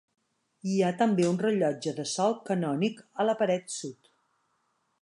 Hi ha també un rellotge de sol canònic a la paret sud.